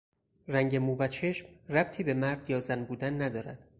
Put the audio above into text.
رنگ مو و چشم ربطی به مرد یا زن بودن ندارد.